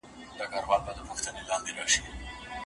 دا چا ويله چې باڼه مې په زړه بد لگيږي